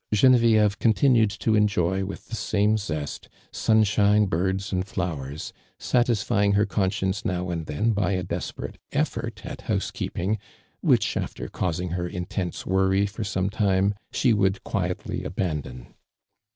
<ienevieve continued to enjoy with the same zest, sun shine, birds and flowers, satisfying her con science now an<l then by a desperate eflbrt at housekeeping, which, after causing her intense worry for some tiuK*, she would quietly abandon.